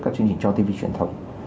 các chương trình cho tv truyền thông